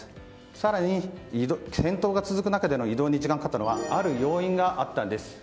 更に、戦闘が続く中での移動に時間がかかったのはある要因があったんです。